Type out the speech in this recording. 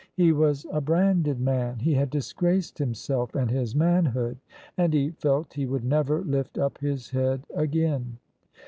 He was a branded man — ^he had disgraced himself and his manhood ■— ^and he felt he would never lift up his head again.